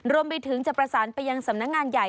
รวมไปถึงจะประสานไปยังสำนักงานใหญ่